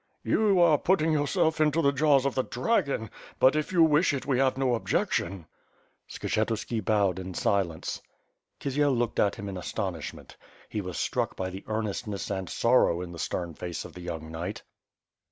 "You are putting yourself into the jaws of the dragon, but if you wish it we have no objection." Skshetuski bowed in silence. Kisiel looked at him in astonishment. He was struck by the earnestness and sorrow in the stem face of the young knight.